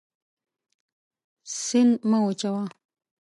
سیند مه وچوه.